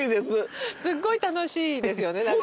すごい楽しいですよね。